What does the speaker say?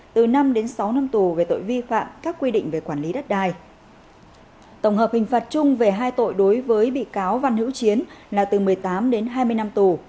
từ tám chín năm tù về tội vi phạm các quy định về quản lý đất đai tổng hợp hình phạt chung về hai tội đối với bị cáo phan văn anh vũ là từ hai mươi năm hai mươi bảy năm tù